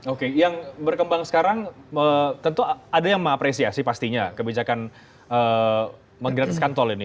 oke yang berkembang sekarang tentu ada yang mengapresiasi pastinya kebijakan menggratiskan tol ini